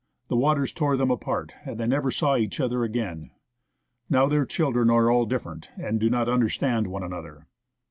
The waters tore them apart, and they never saw each other again. Now their children are all different, and do not understand one another.